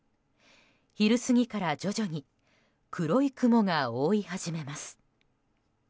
昼過ぎから徐々に黒い雲が覆い始めます。